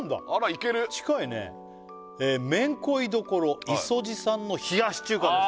行ける近いね「麺恋処いそじさんの冷やし中華です」